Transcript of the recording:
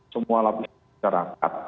semua lapisan masyarakat